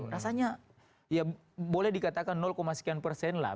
rasanya ya boleh dikatakan sekian persen lah